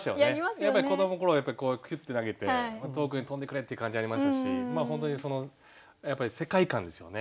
やっぱり子どもの頃こうヒュッて投げて遠くに飛んでくれって感じありましたし本当にやっぱり世界観ですよね。